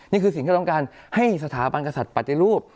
นี่คือสิ่งที่เราต้องการให้สถาบันกษัตริย์ปฏิรูป